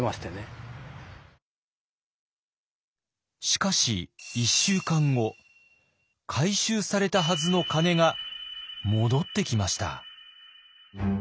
しかし一週間後回収されたはずの鐘が戻ってきました。